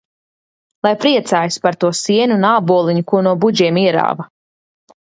Lai priecājas par to sienu un āboliņu, ko no budžiem ierāva!